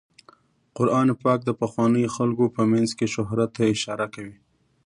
قرآن پاک د پخوانیو خلکو په مینځ کې شهرت ته اشاره کوي.